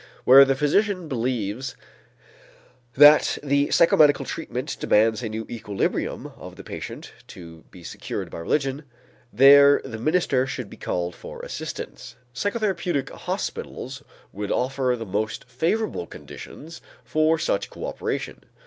Where the physician believes that the psychomedical treatment demands a new equilibrium of the patient to be secured by religion, there the minister should be called for assistance. Psychotherapeutic hospitals would offer the most favorable conditions for such coöperation.